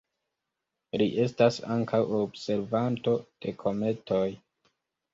Li estas ankaŭ observanto de kometoj.